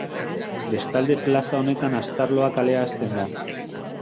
Bestalde plaza honetan Astarloa kalea hasten da.